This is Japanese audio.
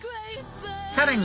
さらに